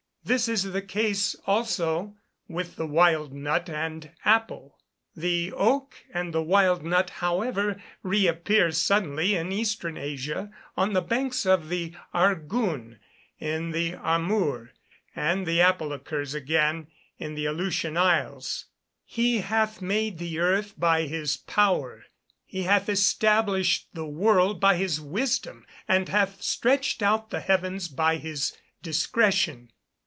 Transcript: This is the case also with the wild nut and apple. The oak and the wild nut, however, re appear suddenly in Eastern Asia, on the banks of the Argoun and the Amour; and the apple occurs again in the Aleutian Isles. [Verse: "He hath made the earth by his power, he hath established the world by his wisdom, and hath stretched out the heavens by his discretion."